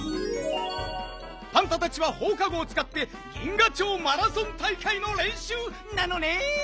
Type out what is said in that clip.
パンタたちはほうかごをつかって銀河町マラソン大会のれんしゅうなのねん！